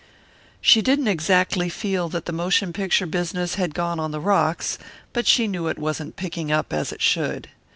She didn't exactly feel that the motion picture business had gone on the rocks, but she knew it wasn't picking up as it should.